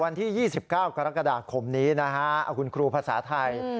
วันที่๒๙การกระดาษคมนี้เพราะคุณครูภาษาไทย